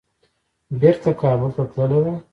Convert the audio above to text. بیرته کابل ته تللي وای.